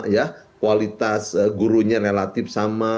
ya kualitas gurunya relatif sama